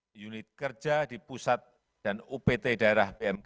serta unit kerja di pusat dan upt daerah bmkg